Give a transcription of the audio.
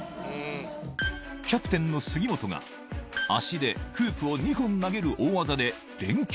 キャプテンの杉本が足でフープを２本投げる大技で連携